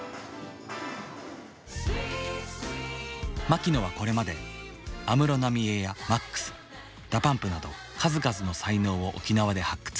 マキノはこれまで安室奈美恵やＭＡＸＤＡＰＵＭＰなど数々の才能を沖縄で発掘。